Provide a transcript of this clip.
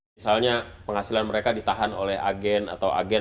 misalnya penghasilan mereka ditahan oleh agen atau agen